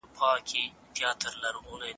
ټولنپوهنه يوه عامه او پراخه څانګه ګڼل کيږي.